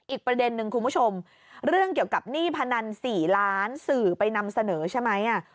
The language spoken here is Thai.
อีกประเด็นนึงคุณผู้ชมเรื่องเกี่ยวกับหนี้พนัน๔ล้านสื่อไปนำเสนอใช่ไหม